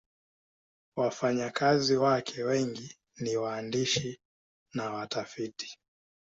Wafanyakazi wake wengi ni waandishi na watafiti.